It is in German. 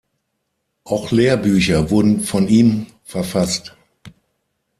Auch Lehrbücher wurden von ihm verfasst.